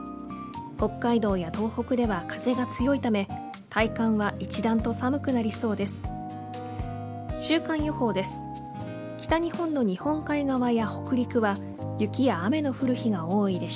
北海道や東北では風が強いため体感は一段と寒くなりそうです。